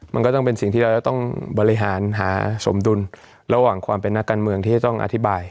มันก็ต้องเป็นสิ่งที่เราจะต้องบริหารหาสมดุลระหว่างความเป็นนักการเมืองที่จะต้องอธิบาย